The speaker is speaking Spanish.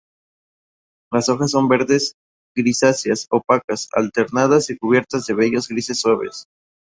Las hojas son verdes grisáceas opacas, alternadas y cubiertas de vellos grises suaves.